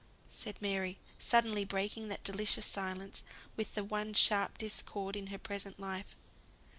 said Mary, suddenly breaking that delicious silence with the one sharp discord in her present life.